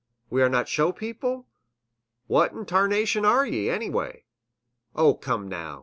we are not show people? "What 'n 'tarnation air ye, anny way? Oh, come now!